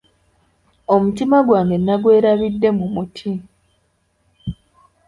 Omutima gwange nagwerabidde mu muti.